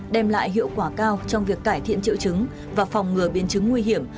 đem lại hiệu quả cao trong việc cải thiện triệu chứng và phòng ngừa biến chứng nguy hiểm